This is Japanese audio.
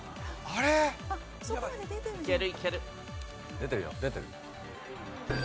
出てるよ出てる。